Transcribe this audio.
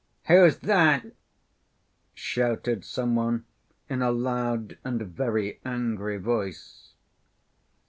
"Who's there?" shouted some one in a loud and very angry voice.